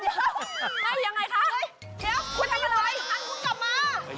ไม่ยังไงคะเฮียวคุณทำอะไรคุณกลับมา